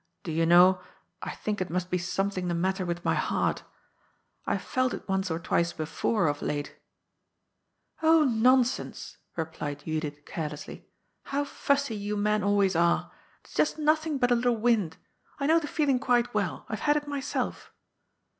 ^^ Do yon know, I think it must be something the matter with my heart. I have felt it once or twice before, of late." " Oh, nonsense 1 " replied Judith carelessly. How fussy you men always are 1 It's just nothing but a little wind. I know the feeling quite well. I've had it, myself."